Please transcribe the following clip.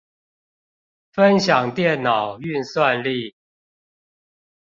分享電腦運算力